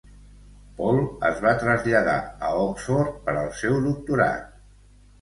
Paul es va traslladar a Oxford per al seu doctorat.